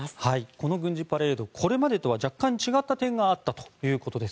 この軍事パレードこれまでとは若干違う点があったということです。